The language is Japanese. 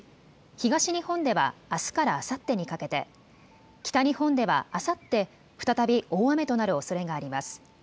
東日本ではあすからあさってにかけて、北日本ではあさって再び大雨となるおそれがあります。